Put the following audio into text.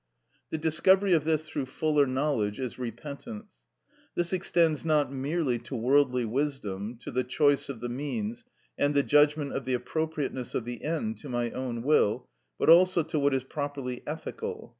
The discovery of this through fuller knowledge is repentance. This extends not merely to worldly wisdom, to the choice of the means, and the judgment of the appropriateness of the end to my own will, but also to what is properly ethical.